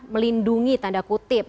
melindungi tanda kutip